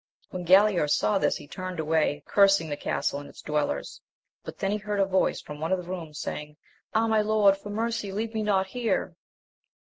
When Galaor saw this he turned away, cursing the castle and its dwellers; but then he heard a voice from one of the rooms, saying. Ah, my Lord, for mercy leave me not here